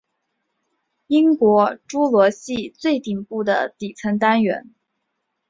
英国侏罗系最顶部的地层单元。